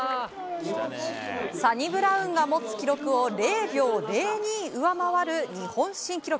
サニブラウンが持つ記録を０秒０２上回る、日本新記録。